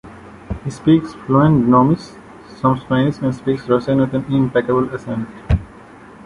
He speaks fluent Gnommish, some Spanish, and speaks Russian with an impeccable accent.